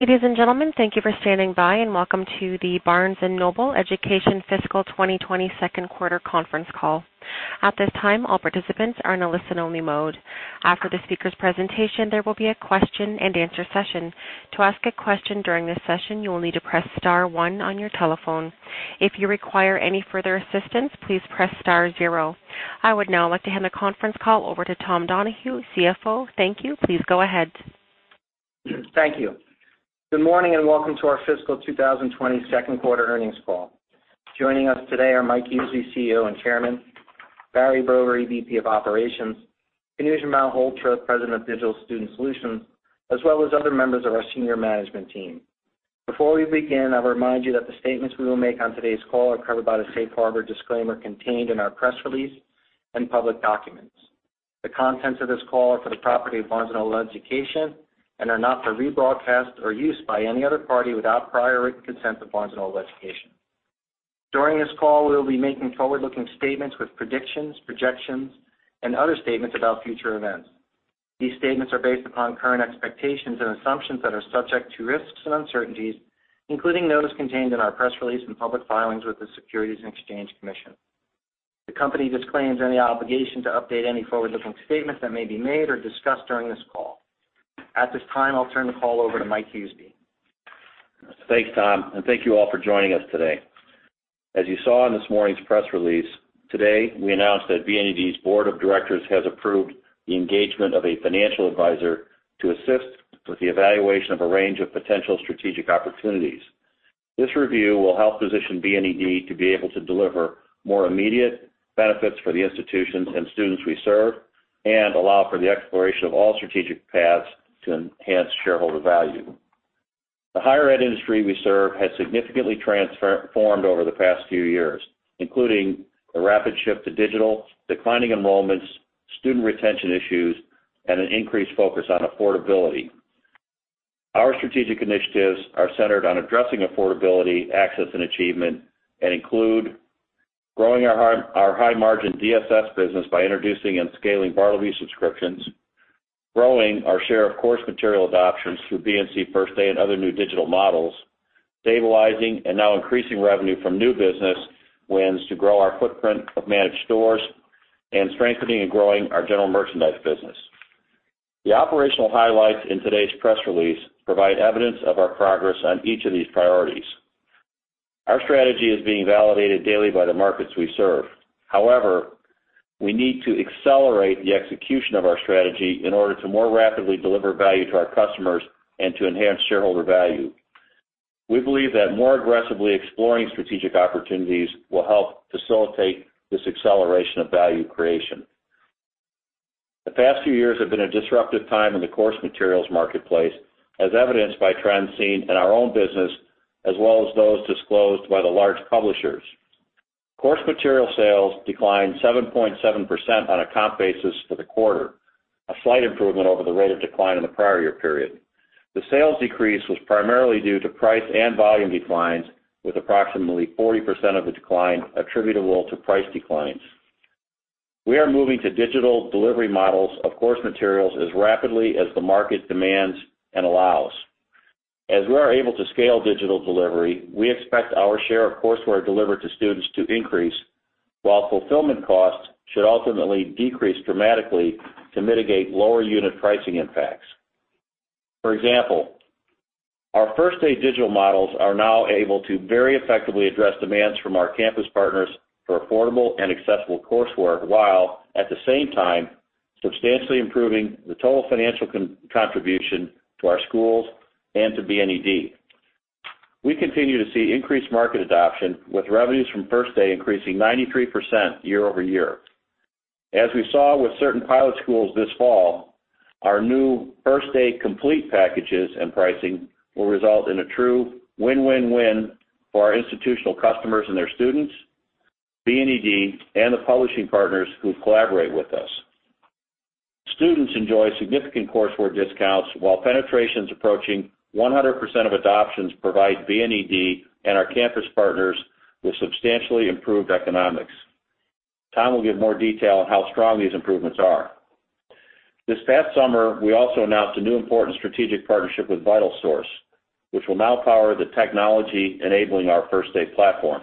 Ladies and gentlemen, thank you for standing by, and welcome to the Barnes & Noble Education Fiscal 2020 Second Quarter Conference Call. At this time, all participants are in a listen-only mode. After the speaker's presentation, there will be a question and answer session. To ask a question during this session, you will need to press star one on your telephone. If you require any further assistance, please press star zero. I would now like to hand the conference call over to Tom Donohue, CFO. Thank you. Please go ahead. Thank you. Good morning, and welcome to our fiscal 2020 second quarter earnings call. Joining us today are Mike Huseby, CEO and Chairman, Barry Brover, VP of Operations, Kanuj Malhotra, President of Digital Student Solutions, as well as other members of our senior management team. Before we begin, I'll remind you that the statements we will make on today's call are covered by the safe harbor disclaimer contained in our press release and public documents. The contents of this call are for the property of Barnes & Noble Education and are not for rebroadcast or use by any other party without prior consent of Barnes & Noble Education. During this call, we will be making forward-looking statements with predictions, projections, and other statements about future events. These statements are based upon current expectations and assumptions that are subject to risks and uncertainties, including those contained in our press release and public filings with the Securities and Exchange Commission. The company disclaims any obligation to update any forward-looking statements that may be made or discussed during this call. At this time, I'll turn the call over to Mike Huseby. Thanks, Tom, and thank you all for joining us today. As you saw in this morning's press release, today we announced that BNED's board of directors has approved the engagement of a financial advisor to assist with the evaluation of a range of potential strategic opportunities. This review will help position BNED to be able to deliver more immediate benefits for the institutions and students we serve and allow for the exploration of all strategic paths to enhance shareholder value. The higher ed industry we serve has significantly transformed over the past few years, including the rapid shift to digital, declining enrollments, student retention issues, and an increased focus on affordability. Our strategic initiatives are centered on addressing affordability, access, and achievement and include growing our high margin DSS business by introducing and scaling bartleby subscriptions, growing our share of course material adoptions through BNC First Day and other new digital models, stabilizing and now increasing revenue from new business wins to grow our footprint of managed stores, and strengthening and growing our general merchandise business. The operational highlights in today's press release provide evidence of our progress on each of these priorities. Our strategy is being validated daily by the markets we serve. However, we need to accelerate the execution of our strategy in order to more rapidly deliver value to our customers and to enhance shareholder value. We believe that more aggressively exploring strategic opportunities will help facilitate this acceleration of value creation. The past few years have been a disruptive time in the course materials marketplace, as evidenced by trends seen in our own business as well as those disclosed by the large publishers. Course material sales declined 7.7% on a comp basis for the quarter, a slight improvement over the rate of decline in the prior year period. The sales decrease was primarily due to price and volume declines, with approximately 40% of the decline attributable to price declines. We are moving to digital delivery models of course materials as rapidly as the market demands and allows. As we are able to scale digital delivery, we expect our share of courseware delivered to students to increase, while fulfillment costs should ultimately decrease dramatically to mitigate lower unit pricing impacts. For example, our First Day digital models are now able to very effectively address demands from our campus partners for affordable and accessible courseware while, at the same time, substantially improving the total financial contribution to our schools and to BNED. We continue to see increased market adoption, with revenues from First Day increasing 93% year-over-year. As we saw with certain pilot schools this fall, our new First Day Complete packages and pricing will result in a true win-win-win for our institutional customers and their students, BNED, and the publishing partners who collaborate with us. Students enjoy significant courseware discounts while penetrations approaching 100% of adoptions provide BNED and our campus partners with substantially improved economics. Tom will give more detail on how strong these improvements are. This past summer, we also announced a new important strategic partnership with VitalSource, which will now power the technology enabling our First Day platform.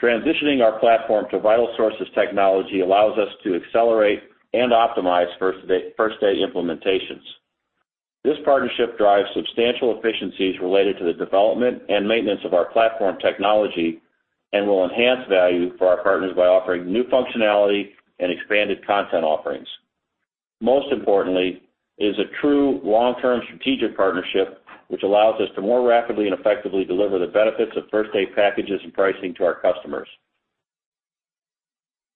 Transitioning our platform to VitalSource's technology allows us to accelerate and optimize First Day implementations. This partnership drives substantial efficiencies related to the development and maintenance of our platform technology and will enhance value for our partners by offering new functionality and expanded content offerings. Most importantly, it is a true long-term strategic partnership, which allows us to more rapidly and effectively deliver the benefits of First Day packages and pricing to our customers.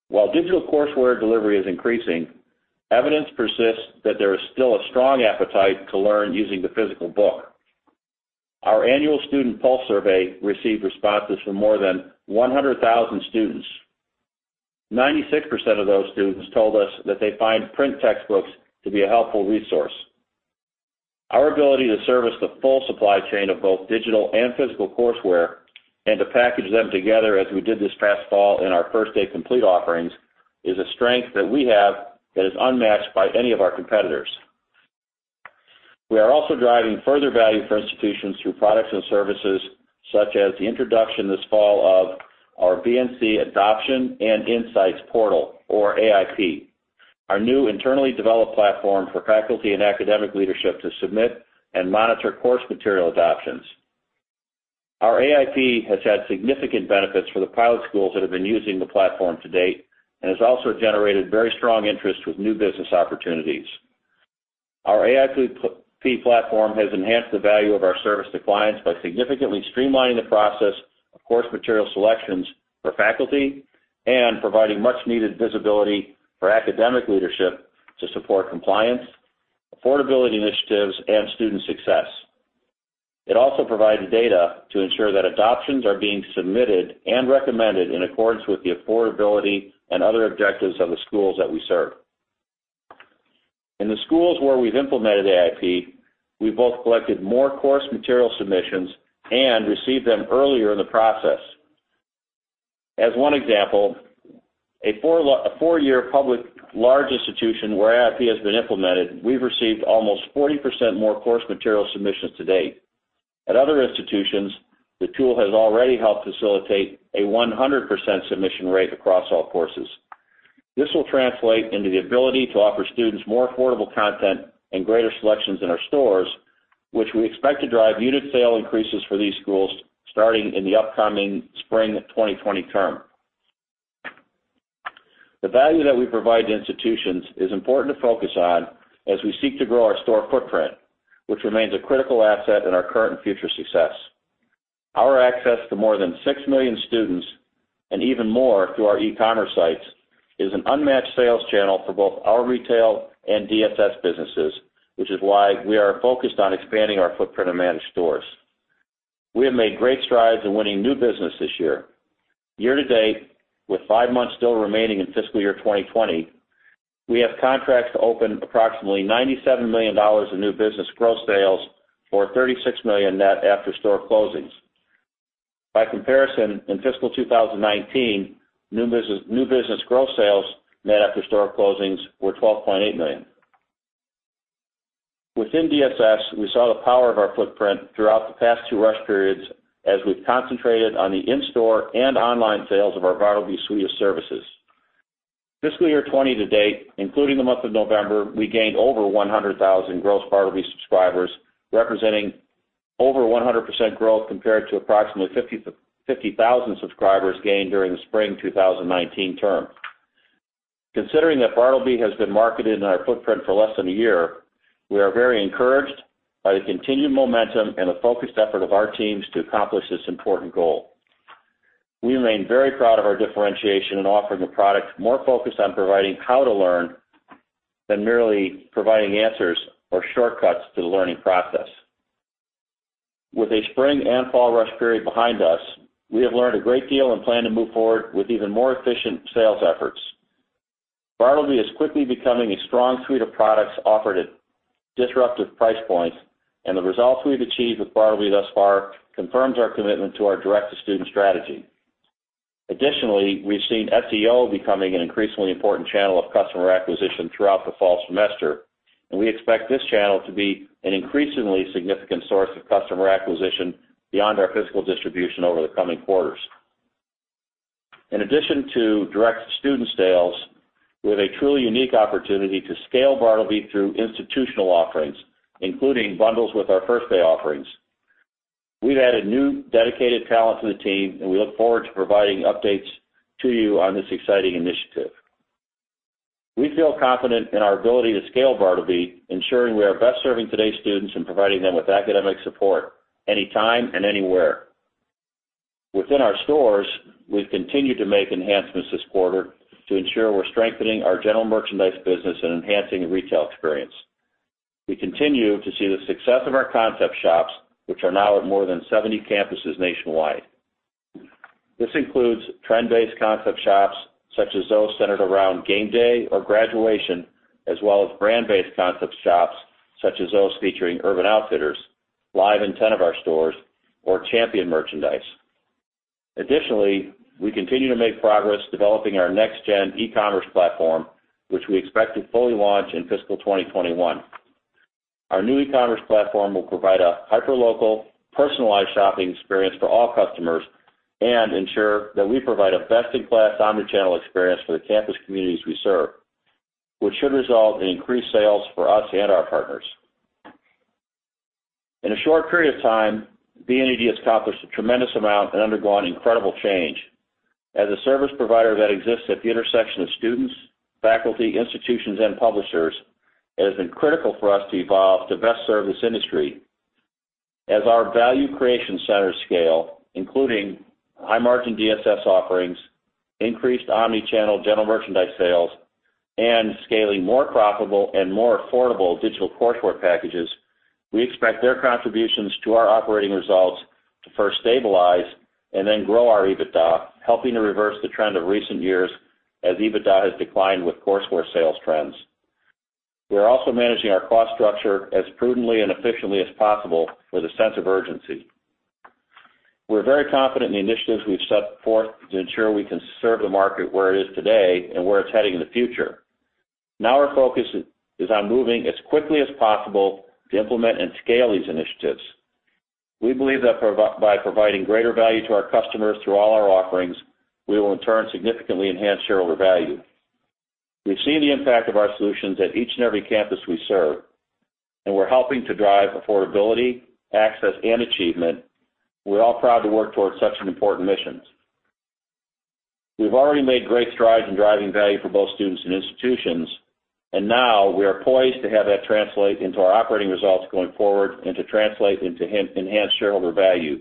While digital courseware delivery is increasing, evidence persists that there is still a strong appetite to learn using the physical book. Our annual student pulse survey received responses from more than 100,000 students. 96% of those students told us that they find print textbooks to be a helpful resource. Our ability to service the full supply chain of both digital and physical courseware. To package them together as we did this past fall in our First Day Complete offerings is a strength that we have that is unmatched by any of our competitors. We are also driving further value for institutions through products and services, such as the introduction this fall of our BNC Adoption and Insights Portal, or AIP, our new internally developed platform for faculty and academic leadership to submit and monitor course material adoptions. Our AIP has had significant benefits for the pilot schools that have been using the platform to date, and has also generated very strong interest with new business opportunities. Our AIP platform has enhanced the value of our service to clients by significantly streamlining the process of course material selections for faculty and providing much-needed visibility for academic leadership to support compliance, affordability initiatives, and student success. It also provides data to ensure that adoptions are being submitted and recommended in accordance with the affordability and other objectives of the schools that we serve. In the schools where we've implemented AIP, we both collected more course material submissions and received them earlier in the process. As one example, a 4-year public large institution where AIP has been implemented, we've received almost 40% more course material submissions to date. At other institutions, the tool has already helped facilitate a 100% submission rate across all courses. This will translate into the ability to offer students more affordable content and greater selections in our stores, which we expect to drive unit sale increases for these schools starting in the upcoming spring 2020 term. The value that we provide to institutions is important to focus on as we seek to grow our store footprint, which remains a critical asset in our current and future success. Our access to more than 6 million students, and even more through our e-commerce sites, is an unmatched sales channel for both our retail and DSS businesses, which is why we are focused on expanding our footprint of managed stores. We have made great strides in winning new business this year. Year to date, with five months still remaining in fiscal year 2020, we have contracts to open approximately $97 million in new business gross sales, or $36 million net after store closings. By comparison, in fiscal 2019, new business gross sales net after store closings were $12.8 million. Within DSS, we saw the power of our footprint throughout the past two rush periods as we've concentrated on the in-store and online sales of our bartleby suite of services. Fiscal year 2020 to date, including the month of November, we gained over 100,000 gross bartleby subscribers, representing over 100% growth compared to approximately 50,000 subscribers gained during the spring 2019 term. Considering that bartleby has been marketed in our footprint for less than a year, we are very encouraged by the continued momentum and the focused effort of our teams to accomplish this important goal. We remain very proud of our differentiation in offering a product more focused on providing how to learn than merely providing answers or shortcuts to the learning process. With a spring and fall rush period behind us, we have learned a great deal and plan to move forward with even more efficient sales efforts. bartleby is quickly becoming a strong suite of products offered at disruptive price points, and the results we've achieved with bartleby thus far confirms our commitment to our direct-to-student strategy. Additionally, we've seen FTO becoming an increasingly important channel of customer acquisition throughout the fall semester, and we expect this channel to be an increasingly significant source of customer acquisition beyond our physical distribution over the coming quarters. In addition to direct-to-student sales, we have a truly unique opportunity to scale bartleby through institutional offerings, including bundles with our First Day offerings. We've added new dedicated talent to the team, and we look forward to providing updates to you on this exciting initiative. We feel confident in our ability to scale bartleby, ensuring we are best serving today's students and providing them with academic support anytime and anywhere. Within our stores, we've continued to make enhancements this quarter to ensure we're strengthening our general merchandise business and enhancing the retail experience. We continue to see the success of our concept shops, which are now at more than 70 campuses nationwide. This includes trend-based concept shops such as those centered around game day or graduation, as well as brand-based concept shops such as those featuring Urban Outfitters, live in 10 of our stores, or Champion merchandise. Additionally, we continue to make progress developing our next-gen e-commerce platform, which we expect to fully launch in fiscal 2021. Our new e-commerce platform will provide a hyper-local, personalized shopping experience for all customers and ensure that we provide a best-in-class omnichannel experience for the campus communities we serve, which should result in increased sales for us and our partners. In a short period of time, BNED has accomplished a tremendous amount and undergone incredible change. As a service provider that exists at the intersection of students, faculty, institutions, and publishers, it has been critical for us to evolve to best serve this industry. As our value creation centers scale, including high-margin DSS offerings, increased omnichannel general merchandise sales, and scaling more profitable and more affordable digital courseware packages, we expect their contributions to our operating results to first stabilize and then grow our EBITDA, helping to reverse the trend of recent years as EBITDA has declined with courseware sales trends. We are also managing our cost structure as prudently and efficiently as possible with a sense of urgency. We're very confident in the initiatives we've set forth to ensure we can serve the market where it is today and where it's heading in the future. Now our focus is on moving as quickly as possible to implement and scale these initiatives. We believe that by providing greater value to our customers through all our offerings, we will in turn significantly enhance shareholder value. We've seen the impact of our solutions at each and every campus we serve, and we're helping to drive affordability, access, and achievement. We're all proud to work towards such an important mission. We've already made great strides in driving value for both students and institutions, and now we are poised to have that translate into our operating results going forward and to translate into enhanced shareholder value.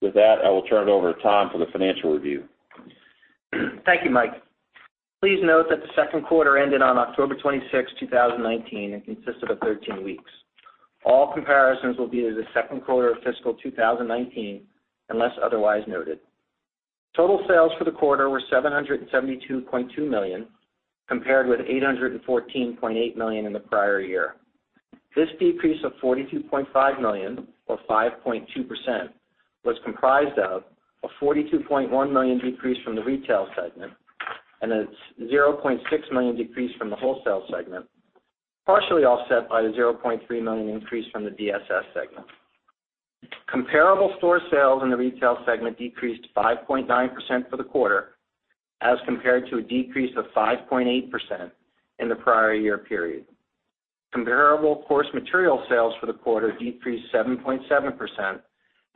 With that, I will turn it over to Tom for the financial review. Thank you, Mike. Please note that the second quarter ended on October 26th, 2019, and consisted of 13 weeks. All comparisons will be to the second quarter of fiscal 2019 unless otherwise noted. Total sales for the quarter were $772.2 million, compared with $814.8 million in the prior year. This decrease of $42.5 million, or 5.2%, was comprised of a $42.1 million decrease from the retail segment and a $0.6 million decrease from the wholesale segment, partially offset by the $0.3 million increase from the DSS segment. Comparable store sales in the retail segment decreased 5.9% for the quarter as compared to a decrease of 5.8% in the prior year period. Comparable course material sales for the quarter decreased 7.7%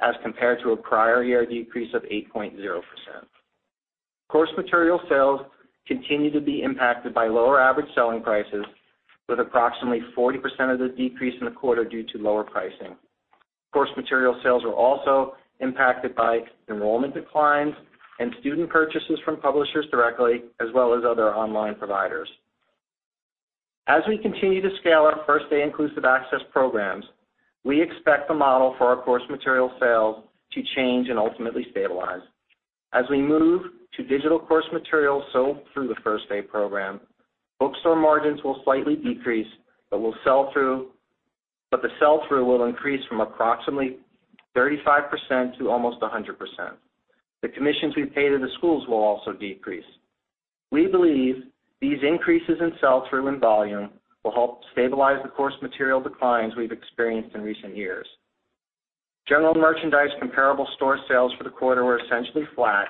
as compared to a prior year decrease of 8.0%. Course material sales continue to be impacted by lower average selling prices, with approximately 40% of the decrease in the quarter due to lower pricing. Course material sales were also impacted by enrollment declines and student purchases from publishers directly, as well as other online providers. As we continue to scale our First Day Inclusive Access programs, we expect the model for our course material sales to change and ultimately stabilize. As we move to digital course materials sold through the First Day program, bookstore margins will slightly decrease, but the sell-through will increase from approximately 35% to almost 100%. The commissions we pay to the schools will also decrease. We believe these increases in sell-through and volume will help stabilize the course material declines we've experienced in recent years. General merchandise comparable store sales for the quarter were essentially flat,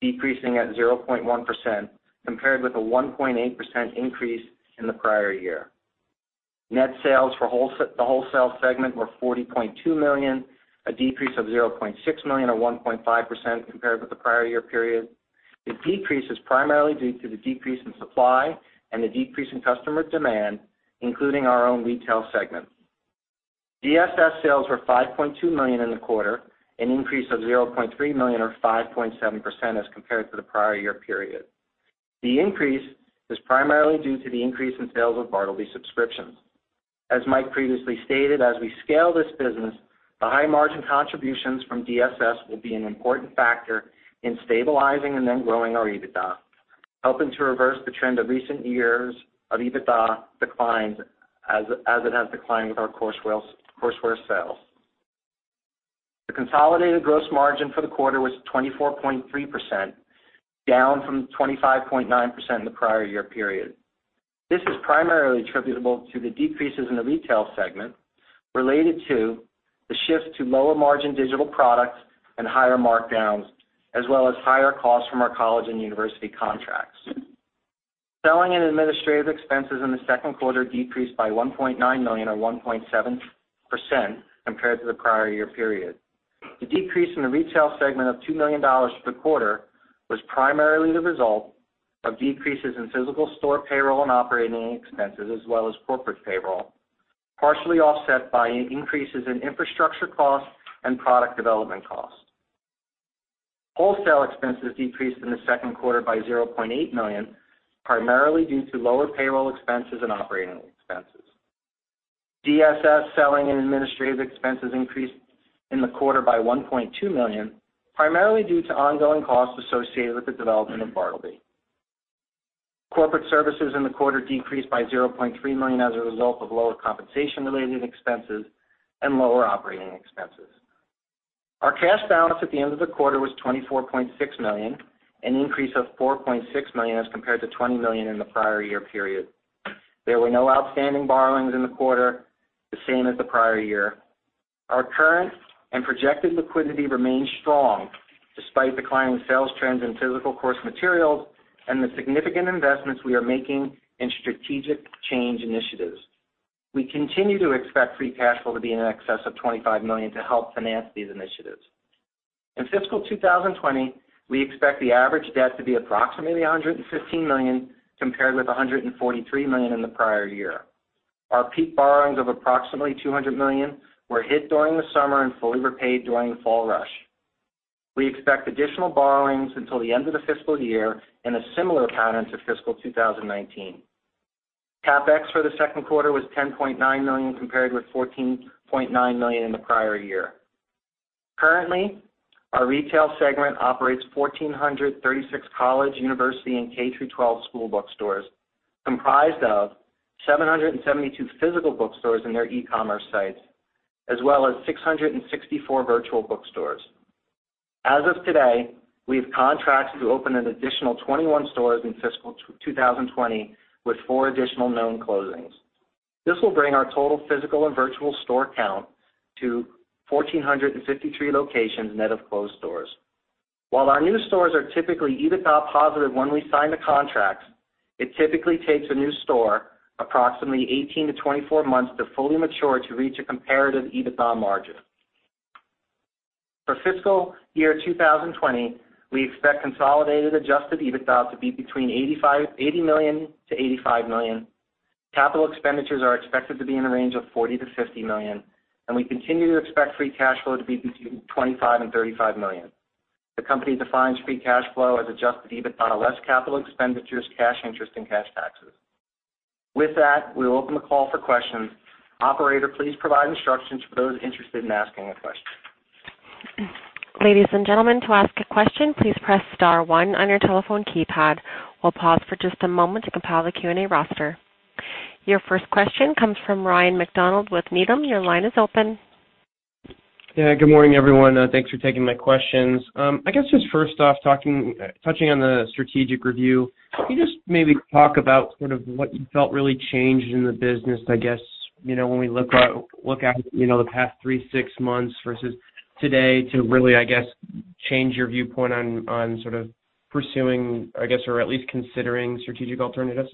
decreasing at 0.1%, compared with a 1.8% increase in the prior year. Net sales for the wholesale segment were $40.2 million, a decrease of $0.6 million or 1.5% compared with the prior year period. The decrease is primarily due to the decrease in supply and the decrease in customer demand, including our own retail segment. DSS sales were $5.2 million in the quarter, an increase of $0.3 million or 5.7% as compared to the prior year period. The increase is primarily due to the increase in sales of bartleby subscriptions. As Mike previously stated, as we scale this business, the high margin contributions from DSS will be an important factor in stabilizing and then growing our EBITDA, helping to reverse the trend of recent years of EBITDA declines as it has declined with our courseware sales. The consolidated gross margin for the quarter was 24.3%, down from 25.9% in the prior year period. This is primarily attributable to the decreases in the retail segment related to the shift to lower margin digital products and higher markdowns, as well as higher costs from our college and university contracts. Selling and administrative expenses in the second quarter decreased by $1.9 million or 1.7% compared to the prior year period. The decrease in the retail segment of $2 million for the quarter was primarily the result of decreases in physical store payroll and operating expenses, as well as corporate payroll, partially offset by increases in infrastructure costs and product development costs. Wholesale expenses decreased in the second quarter by $0.8 million, primarily due to lower payroll expenses and operating expenses. DSS selling and administrative expenses increased in the quarter by $1.2 million, primarily due to ongoing costs associated with the development of bartleby. Corporate services in the quarter decreased by $0.3 million as a result of lower compensation-related expenses and lower operating expenses. Our cash balance at the end of the quarter was $24.6 million, an increase of $4.6 million as compared to $20 million in the prior year period. There were no outstanding borrowings in the quarter, the same as the prior year. Our current and projected liquidity remains strong despite declining sales trends in physical course materials and the significant investments we are making in strategic change initiatives. We continue to expect free cash flow to be in excess of $25 million to help finance these initiatives. In fiscal 2020, we expect the average debt to be approximately $115 million, compared with $143 million in the prior year. Our peak borrowings of approximately $200 million were hit during the summer and fully repaid during the fall rush. We expect additional borrowings until the end of the fiscal year in a similar pattern to fiscal 2019. CapEx for the second quarter was $10.9 million, compared with $14.9 million in the prior year. Currently, our retail segment operates 1,436 college, university, and K-12 school bookstores, comprised of 772 physical bookstores and their e-commerce sites, as well as 664 virtual bookstores. As of today, we have contracts to open an additional 21 stores in fiscal 2020, with four additional known closings. This will bring our total physical and virtual store count to 1,453 locations net of closed stores. While our new stores are typically EBITDA positive when we sign the contracts, it typically takes a new store approximately 18 to 24 months to fully mature to reach a comparative EBITDA margin. For fiscal year 2020, we expect consolidated adjusted EBITDA to be between $80 million-$85 million. Capital expenditures are expected to be in the range of $40 million-$50 million, and we continue to expect free cash flow to be between $25 million and $35 million. The company defines free cash flow as adjusted EBITDA less capital expenditures, cash interest, and cash taxes. With that, we'll open the call for questions. Operator, please provide instructions for those interested in asking a question. Ladies and gentlemen, to ask a question, please press star one on your telephone keypad. We'll pause for just a moment to compile a Q&A roster. Your first question comes from Ryan MacDonald with Needham. Your line is open. Good morning, everyone. Thanks for taking my questions. I guess just first off, touching on the strategic review, can you just maybe talk about what you felt really changed in the business, I guess, when we look at the past three, six months versus today to really, I guess, change your viewpoint on pursuing, I guess, or at least considering strategic alternatives?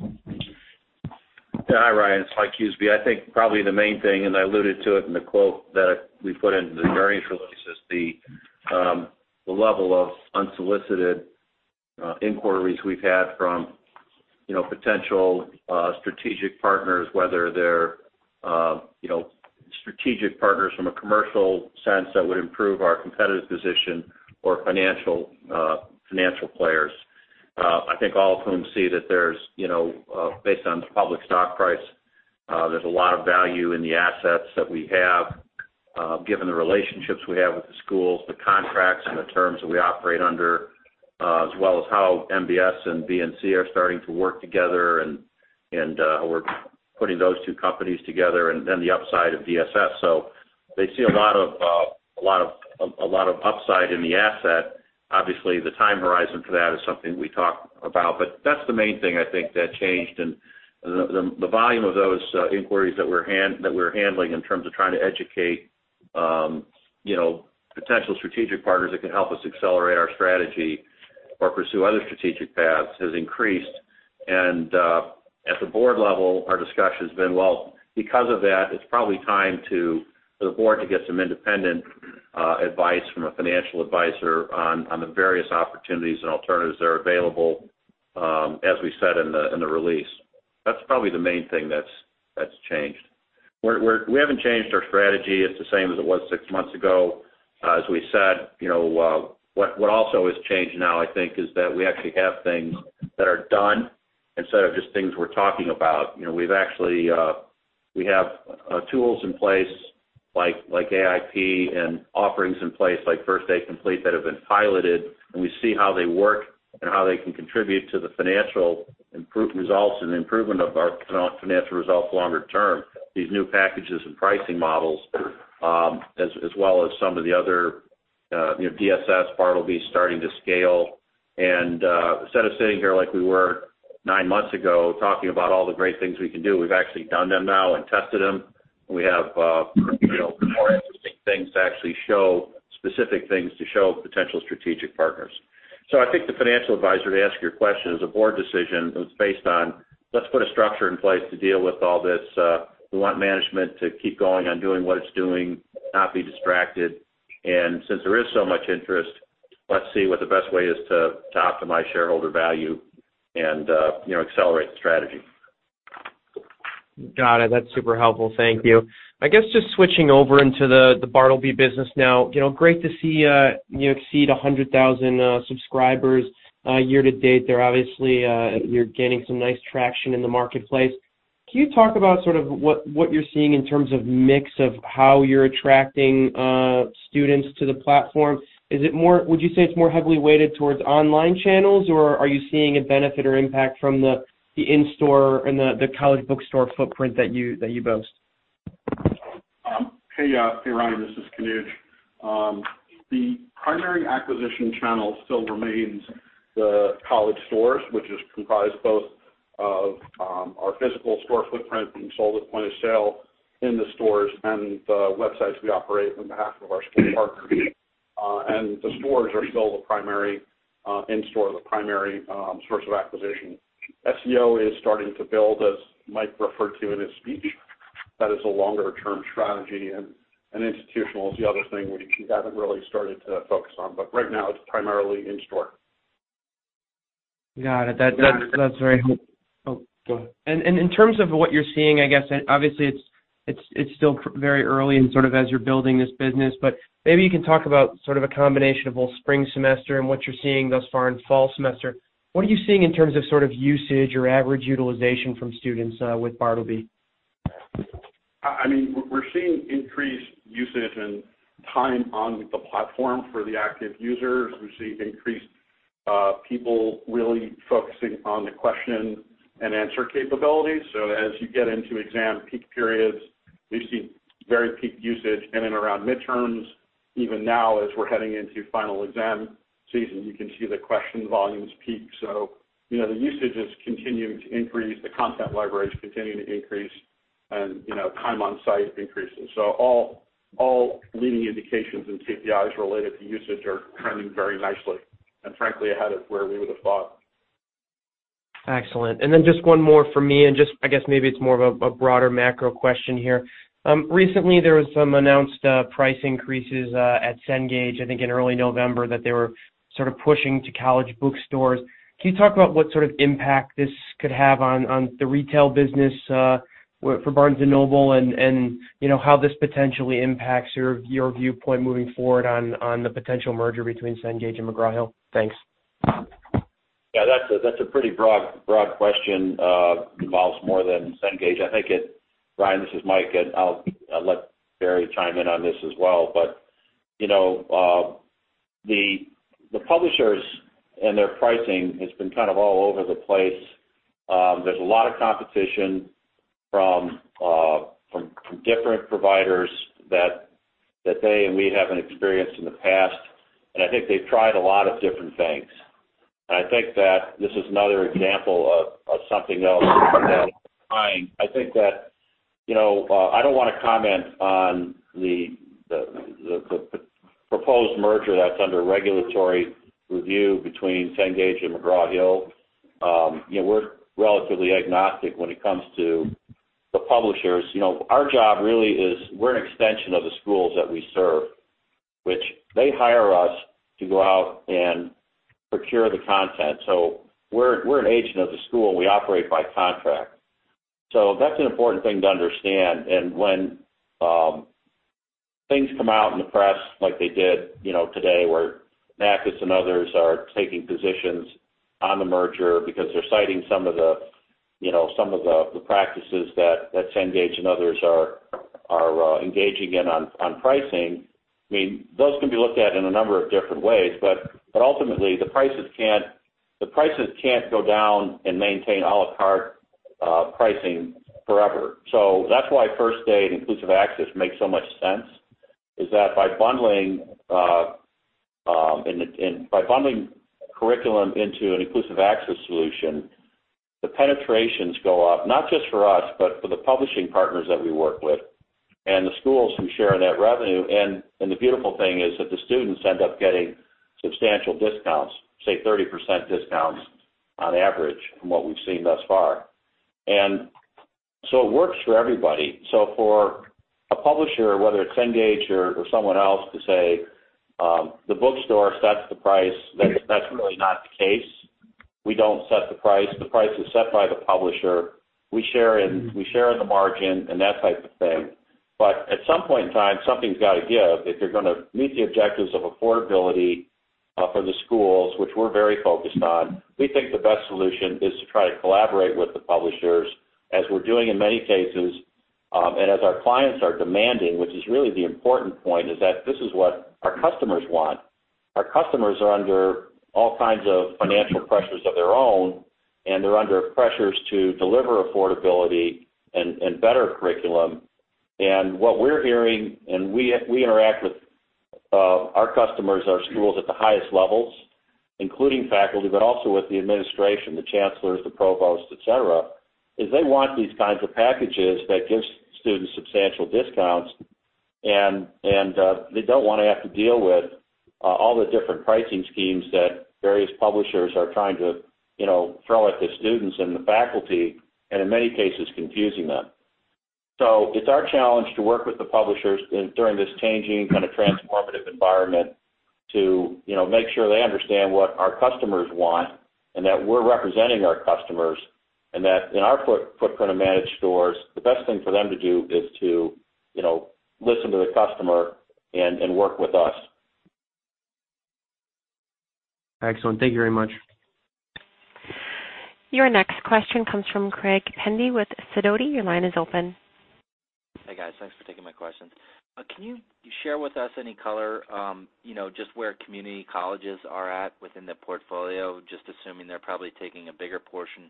Hi, Ryan. It's Mike Huseby. I think probably the main thing, and I alluded to it in the quote that we put into the earnings release, is the level of unsolicited inquiries we've had from potential strategic partners, whether they're strategic partners from a commercial sense that would improve our competitive position or financial players. I think all of whom see that based on the public stock price, there's a lot of value in the assets that we have, given the relationships we have with the schools, the contracts, and the terms that we operate under, as well as how MBS and BNC are starting to work together, and how we're putting those two companies together, and then the upside of DSS. They see a lot of upside in the asset. Obviously, the time horizon for that is something we talk about. That's the main thing, I think, that changed. The volume of those inquiries that we're handling in terms of trying to educate potential strategic partners that can help us accelerate our strategy or pursue other strategic paths has increased. At the board level, our discussion's been, well, because of that, it's probably time for the board to get some independent advice from a financial advisor on the various opportunities and alternatives that are available, as we said in the release. That's probably the main thing that's changed. We haven't changed our strategy. It's the same as it was six months ago. As we said, what also has changed now, I think, is that we actually have things that are done instead of just things we're talking about. We have tools in place like AIP and offerings in place like First Day Complete that have been piloted, we see how they work and how they can contribute to the financial results and the improvement of our financial results longer term, these new packages and pricing models, as well as some of the DSS part will be starting to scale. Instead of sitting here like we were nine months ago talking about all the great things we can do, we've actually done them now and tested them. We have more interesting things to actually show, specific things to show potential strategic partners. I think the financial advisor, to answer your question, is a board decision that was based on let's put a structure in place to deal with all this. We want management to keep going on doing what it's doing, not be distracted. Since there is so much interest, let's see what the best way is to optimize shareholder value and accelerate the strategy. Got it. That's super helpful. Thank you. I guess just switching over into the bartleby business now. Great to see you exceed 100,000 subscribers year to date there. Obviously, you're gaining some nice traction in the marketplace. Can you talk about sort of what you're seeing in terms of mix of how you're attracting students to the platform? Would you say it's more heavily weighted towards online channels, or are you seeing a benefit or impact from the in-store and the college bookstore footprint that you boast? Hey, Ryan, this is Kanuj. The primary acquisition channel still remains the college stores, which is comprised both of our physical store footprint and sold at point of sale in the stores and the websites we operate on behalf of our school partners. The stores are still the primary source of acquisition. SEO is starting to build, as Mike referred to in his speech. That is a longer-term strategy, and institutional is the other thing we haven't really started to focus on. Right now, it's primarily in-store. Got it. That's very helpful. Oh, go ahead. In terms of what you're seeing, I guess, obviously it's still very early and sort of as you're building this business, but maybe you can talk about sort of a combination of both spring semester and what you're seeing thus far in fall semester. What are you seeing in terms of sort of usage or average utilization from students with bartleby? We're seeing increased usage and time on the platform for the active users. We see increased people really focusing on the question and answer capabilities. As you get into exam peak periods, we see very peak usage in and around midterms. Even now, as we're heading into final exam season, you can see the question volumes peak. The usage is continuing to increase, the content library is continuing to increase, and time on site increases. All leading indications and KPIs related to usage are trending very nicely and frankly ahead of where we would have thought. Excellent. Then just one more from me, and I guess maybe it's more of a broader macro question here. Recently, there was some announced price increases at Cengage, I think in early November, that they were pushing to college bookstores. Can you talk about what sort of impact this could have on the retail business for Barnes & Noble, and how this potentially impacts your viewpoint moving forward on the potential merger between Cengage and McGraw Hill? Thanks. Yeah, that's a pretty broad question. Involves more than Cengage. Ryan, this is Mike. I'll let Barry chime in on this as well. The publishers and their pricing has been all over the place. There's a lot of competition from different providers that they and we haven't experienced in the past. I think they've tried a lot of different things. I think that this is another example of something they'll try. I don't want to comment on the proposed merger that's under regulatory review between Cengage and McGraw Hill. We're relatively agnostic when it comes to the publishers. Our job really is, we're an extension of the schools that we serve, which they hire us to go out and procure the content. We're an agent of the school. We operate by contract. That's an important thing to understand. When things come out in the press like they did today, where NACS and others are taking positions on the merger because they're citing some of the practices that Cengage and others are engaging in on pricing, those can be looked at in a number of different ways. Ultimately, the prices can't go down and maintain à la carte pricing forever. That's why First Day and Inclusive Access makes so much sense is that by bundling curriculum into an Inclusive Access solution, the penetrations go up, not just for us, but for the publishing partners that we work with and the schools who share in that revenue. The beautiful thing is that the students end up getting substantial discounts, say 30% discounts on average from what we've seen thus far. It works for everybody. For a publisher, whether it's Cengage or someone else to say, the bookstore sets the price, that's really not the case. We don't set the price. The price is set by the publisher. We share in the margin and that type of thing. At some point in time, something's got to give if you're going to meet the objectives of affordability for the schools, which we're very focused on. We think the best solution is to try to collaborate with the publishers, as we're doing in many cases, and as our clients are demanding, which is really the important point, is that this is what our customers want. Our customers are under all kinds of financial pressures of their own, and they're under pressures to deliver affordability and better curriculum. What we're hearing, and we interact with our customers, our schools at the highest levels, including faculty, but also with the administration, the chancellors, the provosts, et cetera, is they want these kinds of packages that gives students substantial discounts. They don't want to have to deal with all the different pricing schemes that various publishers are trying to throw at the students and the faculty, and in many cases, confusing them. It's our challenge to work with the publishers during this changing kind of transformative environment to make sure they understand what our customers want, and that we're representing our customers, and that in our footprint of managed stores, the best thing for them to do is to listen to the customer and work with us. Excellent. Thank you very much. Your next question comes from Greg Pendy with Sidoti. Your line is open. Hey, guys. Thanks for taking my questions. Can you share with us any color, just where community colleges are at within the portfolio? Just assuming they're probably taking a bigger portion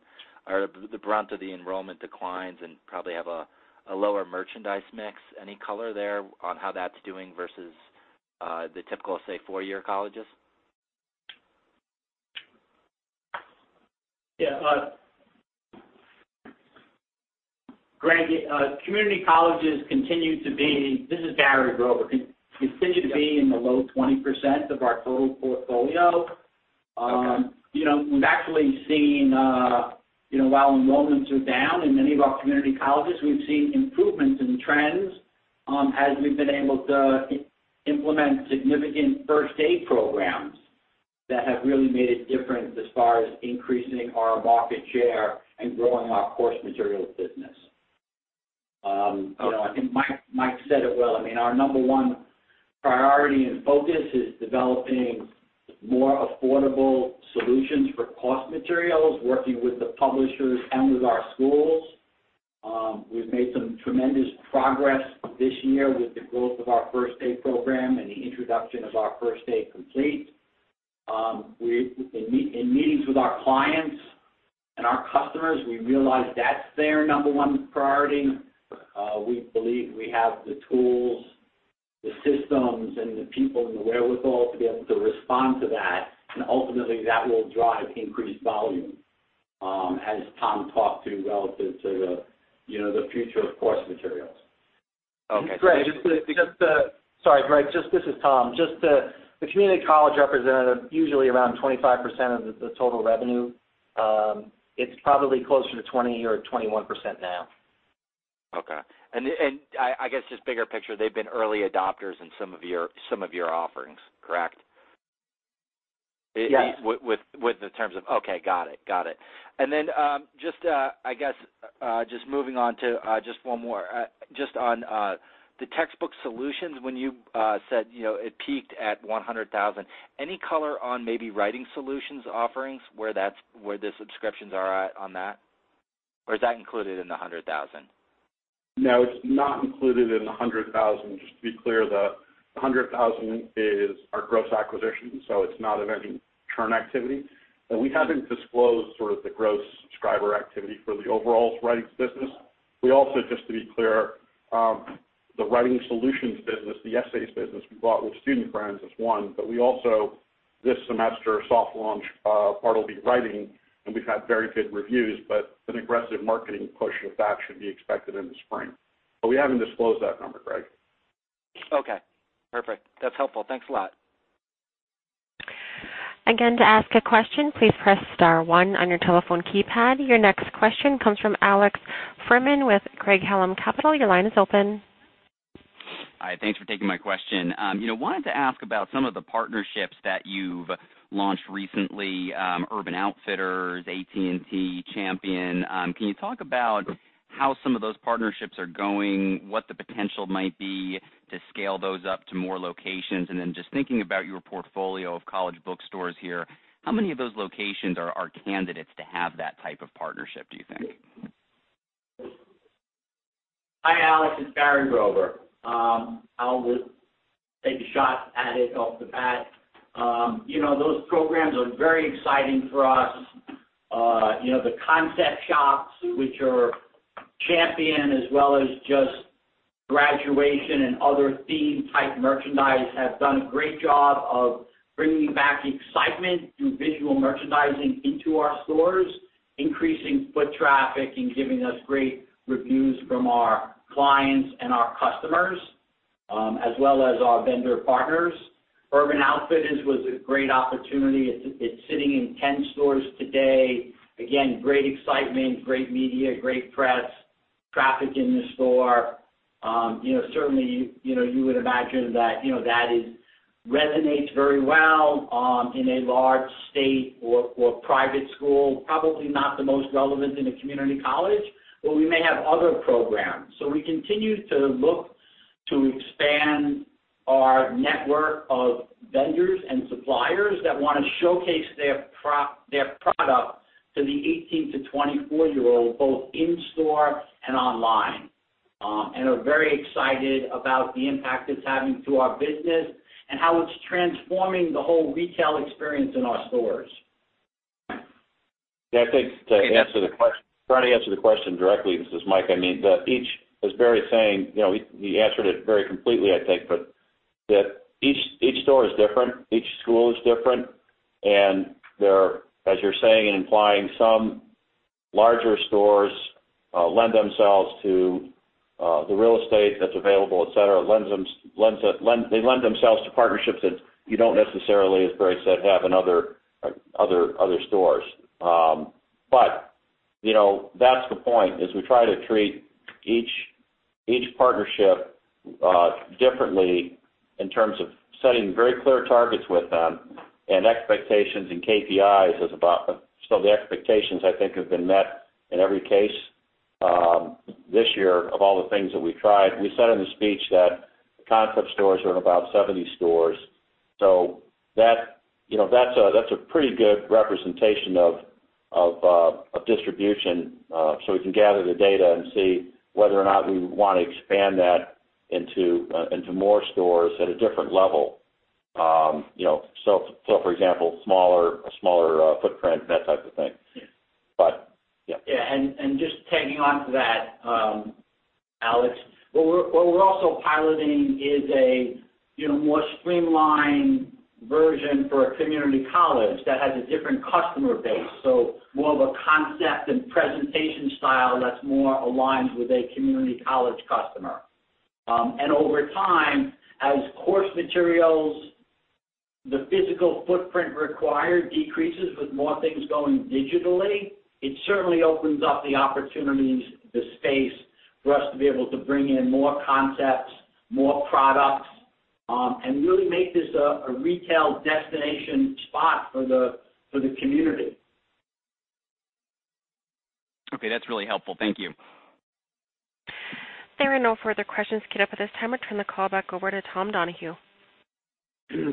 or the brunt of the enrollment declines and probably have a lower merchandise mix. Any color there on how that's doing versus the typical, say, four-year colleges? Yeah. Greg, community colleges continue to be, this is Barry Brover, continue to be in the low 20% of our total portfolio. Okay. We've actually seen while enrollments are down in many of our community colleges, we've seen improvements in trends as we've been able to implement significant First Day programs that have really made a difference as far as increasing our market share and growing our course materials business. I think Mike said it well. Our number one- Priority and focus is developing more affordable solutions for course materials, working with the publishers and with our schools. We've made some tremendous progress this year with the growth of our First Day program and the introduction of our First Day Complete. In meetings with our clients and our customers, we realize that's their number one priority. We believe we have the tools, the systems, and the people, and the wherewithal to be able to respond to that, and ultimately that will drive increased volume, as Tom talked to relative to the future of course materials. Okay. Greg. Sorry, Greg, this is Tom, just the community college representative, usually around 25% of the total revenue. It's probably closer to 20% or 21% now. Okay. I guess just bigger picture, they've been early adopters in some of your offerings, correct? Yes. With the terms of Okay, got it. Just moving on to just one more. Just on the textbook solutions, when you said it peaked at 100,000. Any color on maybe writing solutions offerings, where the subscriptions are at on that? Or is that included in the 100,000? No, it's not included in the 100,000. Just to be clear, the 100,000 is our gross acquisition, so it's not of any churn activity. We haven't disclosed sort of the gross subscriber activity for the overall writing business. We also, just to be clear, the writing solutions business, the essays business we bought with Student Brands is one, we also this semester soft launched part of the writing, and we've had very good reviews, an aggressive marketing push of that should be expected in the spring. We haven't disclosed that number, Greg. Okay. Perfect. That's helpful. Thanks a lot. Again, to ask a question, please press star one on your telephone keypad. Your next question comes from Alex Fuhrman with Craig-Hallum Capital. Your line is open. Hi, thanks for taking my question. Wanted to ask about some of the partnerships that you've launched recently, Urban Outfitters, AT&T, Champion. Can you talk about how some of those partnerships are going, what the potential might be to scale those up to more locations? Then just thinking about your portfolio of college bookstores here, how many of those locations are candidates to have that type of partnership, do you think? Hi, Alex. It's Barry Brover. I'll just take a shot at it off the bat. Those programs are very exciting for us. The concept shops, which are Champion as well as just graduation and other theme-type merchandise, have done a great job of bringing back excitement through visual merchandising into our stores, increasing foot traffic and giving us great reviews from our clients and our customers, as well as our vendor partners. Urban Outfitters was a great opportunity. It's sitting in 10 stores today. Again, great excitement, great media, great press, traffic in the store. Certainly, you would imagine that resonates very well in a large state or private school. Probably not the most relevant in a community college, but we may have other programs. We continue to look to expand our network of vendors and suppliers that wanna showcase their product to the 18- to 24-year-old, both in store and online. Are very excited about the impact it's having to our business and how it's transforming the whole retail experience in our stores. I think to try to answer the question directly, this is Mike. As Barry's saying, he answered it very completely, I think, but that each store is different, each school is different. As you're saying and implying, some larger stores lend themselves to the real estate that's available, et cetera. They lend themselves to partnerships that you don't necessarily, as Barry said, have in other stores. That's the point, is we try to treat each partnership differently in terms of setting very clear targets with them and expectations and KPIs. The expectations I think have been met in every case this year of all the things that we tried. We said in the speech that concept stores are in about 70 stores. That's a pretty good representation of distribution. We can gather the data and see whether or not we want to expand that into more stores at a different level. For example, a smaller footprint, that type of thing. Yeah. Yeah, just tagging on to that, Alex Fuhrman, what we're also piloting is a more streamlined version for a community college that has a different customer base. More of a concept and presentation style that's more aligned with a community college customer. Over time, as course materials, the physical footprint required decreases with more things going digitally, it certainly opens up the opportunities, the space for us to be able to bring in more concepts, more products, and really make this a retail destination spot for the community. Okay, that's really helpful. Thank you. There are no further questions queued up at this time. I turn the call back over to Tom Donohue.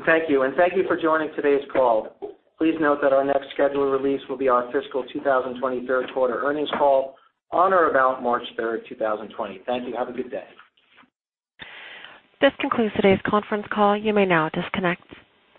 Thank you for joining today's call. Please note that our next scheduled release will be our fiscal 2020 third quarter earnings call on or about March 3rd, 2020. Thank you. Have a good day. This concludes today's conference call. You may now disconnect.